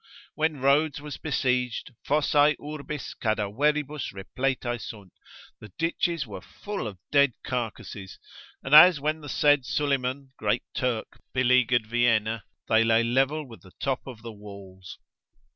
When Rhodes was besieged, fossae urbis cadaveribus repletae sunt, the ditches were full of dead carcases: and as when the said Suleiman, great Turk, beleaguered Vienna, they lay level with the top of the walls.